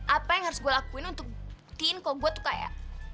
apa yang harus gue lakuin untuk buktiin kalo gue tuh kaya